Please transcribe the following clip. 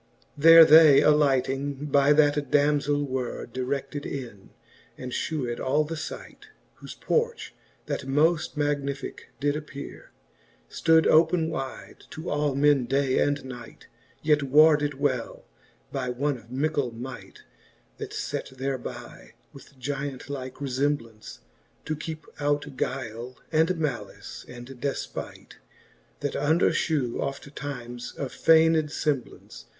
XXII. There they alighting by that damzell were Direded in, and fhevved all the fight : Whofe porch, that moft magnificke did appeare, Stood open wyde to all men day and night ; Yet warded well by one of mickle might, That fat thereby, with giant like refemblance, To keepe out guyle, and malice, and defpight. That under fhew oftimes of fayned femblance.